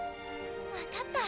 分かった。